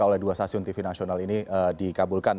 oleh dua stasiun tv nasional ini dikabulkan